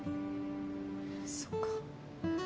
そっか。